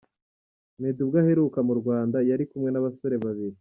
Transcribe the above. Meddy ubwo aheruka mu Rwanda yari kumwe n’abasore babiri.